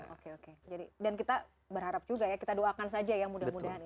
oke oke jadi dan kita berharap juga ya kita doakan saja ya mudah mudahan ya